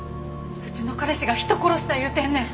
うちの彼氏が人殺した言うてんねん。